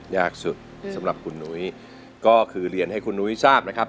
ยากสุดสำหรับคุณนุ้ยก็คือเรียนให้คุณนุ้ยทราบนะครับ